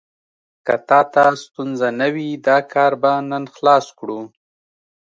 که تا ته ستونزه نه وي، دا کار به نن خلاص کړو.